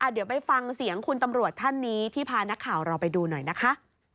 เดี๋ยวไปฟังเสียงคุณตำรวจท่านนี้ที่พานักข่าวเราไปดูหน่อยนะคะ